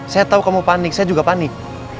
saya tahu kamu panik saya juga panik